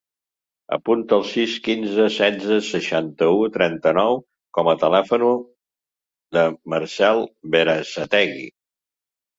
Apunta el sis, quinze, setze, seixanta-u, trenta-nou com a telèfon del Marcel Berasategui.